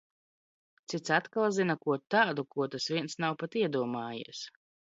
Cits atkal zina ko t?du, ko tas viens nav pat iedom?jies.